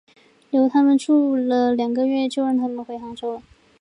留他们住了两个月就让他们回杭州了。